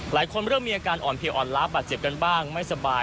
หลายคนเริ่มมีอาการอ่อนเพียอ่อนลับอาจเจ็บกันบ้างไม่สบาย